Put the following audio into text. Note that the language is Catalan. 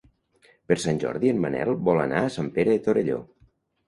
Per Sant Jordi en Manel vol anar a Sant Pere de Torelló.